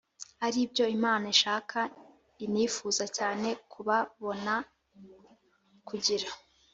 Ari byo imana ishaka i nifuza cyane kubabona j kugira